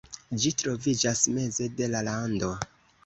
Ĝi troviĝas meze de la lando.